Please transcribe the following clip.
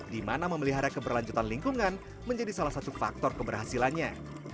di mana memelihara keberlanjutan lingkungan menjadi salah satu faktor keberhasilannya